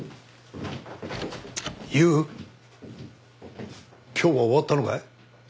悠今日は終わったのかい？